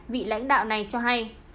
vị lãnh đạo này cho hay